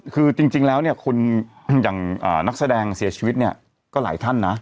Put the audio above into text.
คือจริงแล้วเนี่ยคุณอย่างนักแสดงเสียชีวิตเนี่ยก็หลายท่านนะ